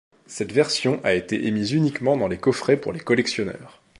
Cette version a été émise uniquement dans les coffrets pour les collectionneurs.